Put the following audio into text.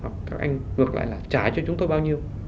hoặc các anh ngược lại là trả cho chúng tôi bao nhiêu